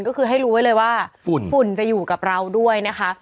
ก็คือให้รู้ไว้เลยว่าฝุ่นจะอยู่กับเราด้วยนะคะ